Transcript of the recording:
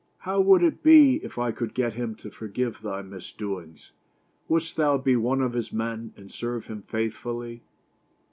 How would it be if I could get him to forgive thy misdoings? Wouldst thou be one of his men and serve him faithfully?"